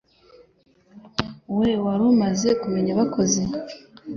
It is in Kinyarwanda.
We wari umaze kumenya abakozi